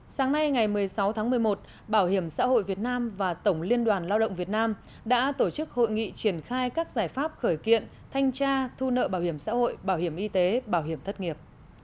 sáng nay ngày một mươi sáu tháng một mươi một bảo hiểm xã hội việt nam và tổng liên đoàn lao động việt nam đã tổ chức hội nghị triển khai các giải pháp khởi kiện thanh tra thu nợ bảo hiểm xã hội bảo hiểm y tế bảo hiểm thất nghiệp